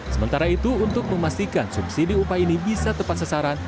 sementara itu untuk memastikan subsidi upah ini bisa tepat sasaran